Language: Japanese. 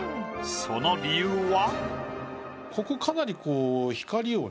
その理由は？